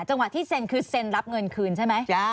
ที่เซ็นคือเซ็นรับเงินคืนใช่ไหม